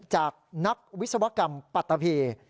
จากนักวิศวกรรมปฏภิ